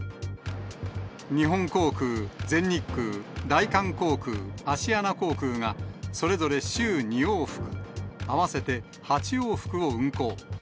日本航空、全日空、大韓航空、アシアナ航空がそれぞれ週２往復、合わせて８往復を運航。